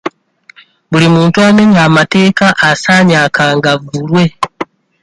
Buli muntu amenya amateeka asaanye akangavvulwe.